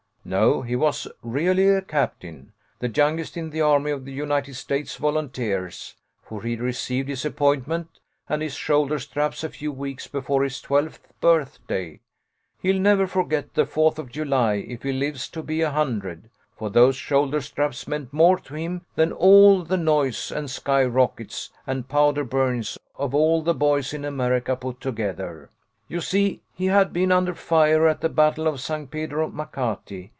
" No, he was really a captain, the youngest in the army of the United States Volunteers, for he re ceived his appointment and his shoulder straps a few weeks before his twelfth birthday. He'll never forget that Fourth of July if he lives to be a hun dred ; for those shoulder straps meant more to him than all the noise and sky rockets and powder burns of all the boys in America put together. You see HOME LESSONS. 135 he had been under fire at the battle of San Pedro Macati.